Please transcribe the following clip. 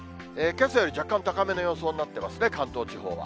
けさより若干高めの予想になってますね、関東地方は。